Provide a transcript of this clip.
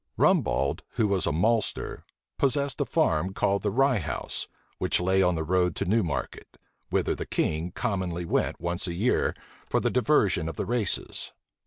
Rumbald, who was a maltster, possessed a farm, called the Ryehouse, which lay on the road to Newmarket, whither the king commonly went once a year, for the diversion of the races.